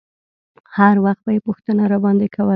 هر وخت به يې پوښتنه راباندې کوله.